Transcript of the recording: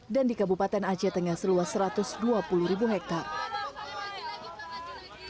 dan di kabupaten aceh tengah seluas satu ratus dua puluh ribu hektare